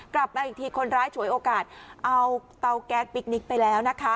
กลับมาอีกทีคนร้ายฉวยโอกาสเอาเตาแก๊สปิ๊กนิกไปแล้วนะคะ